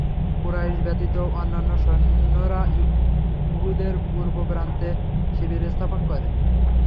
কুরাইশ ব্যতীত অন্যান্য সৈন্যরা উহুদের পূর্বপ্রান্তে শিবির স্থাপন করে।